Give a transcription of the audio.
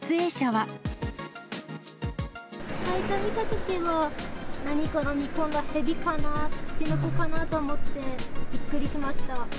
最初、見たときは、何か飲み込んだヘビかな、ツチノコかなと思って、びっくりしました。